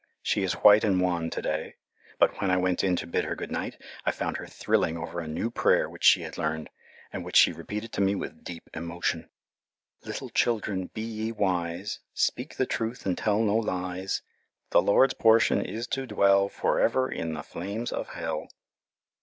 She is white and wan to day, but when I went in to bid her good night I found her thrilling over a new prayer which she had learned, and which she repeated to me with deep emotion: "Little children, be ye wise, Speak the truth and tell no lies. The LORD'S portion is to dwell Forever in the flames of hell."